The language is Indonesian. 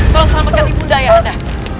tolong selamatkan ibu daya anda